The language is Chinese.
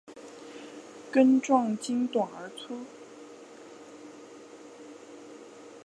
根状茎短而粗。